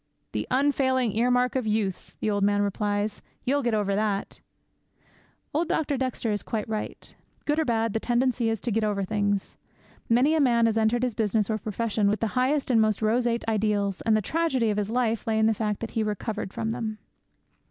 '"The unfailing earmark of youth," the old man replies; "you'll get over that!"' Old Dr. Dexter is quite right. Good or bad, the tendency is to get over things. Many a man has entered his business or profession with the highest and most roseate ideals, and the tragedy of his life lay in the fact that he recovered from them.